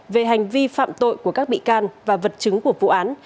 về hành vi phạm tội của các bị can và vật chứng của vụ án